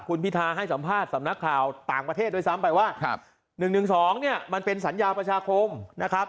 คุณพิทาให้สัมภาษณ์สำนักข่าวต่างประเทศด้วยซ้ำไปว่า๑๑๒เนี่ยมันเป็นสัญญาประชาคมนะครับ